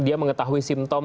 dia mengetahui simptom